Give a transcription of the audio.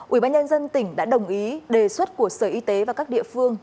ủy ban nhân dân tỉnh đã đồng ý đề xuất của sở y tế và các địa phương